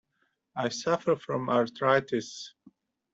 I suffer from arthritis.